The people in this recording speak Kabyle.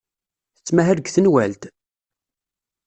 Tettmahal deg tenwalt?